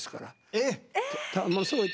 えっ⁉